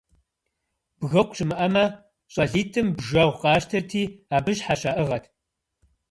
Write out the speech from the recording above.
Бгыкъу щымыӀэмэ, щӀалитӀым бжэгъу къащтэрти, абы щхьэщаӀыгъэт.